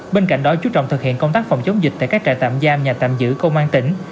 bên cạnh đó chú trọng thực hiện công tác phòng chống dịch tại các trại tạm giam nhà tạm giữ công an tỉnh